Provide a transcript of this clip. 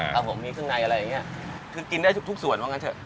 ครับผมมีเครื่องในอะไรอย่างเงี้ยคือกินได้ทุกทุกส่วนว่างั้นเถอะ